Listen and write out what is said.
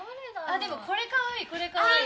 あでもこれかわいいこれかわいい。